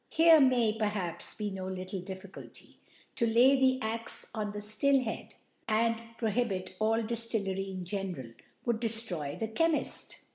Here may, perhaps, be no little Difficulty. To lay the Axe to the Still head, and prohibit allDiftillery in ge ncral, would deftroy the Chcmift.